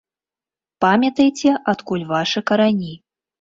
Памятайце, адкуль вашы карані.